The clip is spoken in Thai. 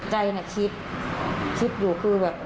ใจน่ะคิดคิดอยู่คือแบบ